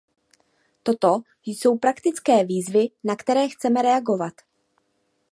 Toto jsou praktické výzvy, na které chceme reagovat.